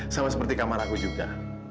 sama seperti kamar aku juga